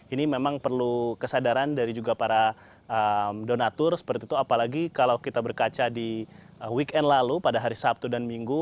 ini memang perlu kesadaran dari juga para donatur seperti itu apalagi kalau kita berkaca di weekend lalu pada hari sabtu dan minggu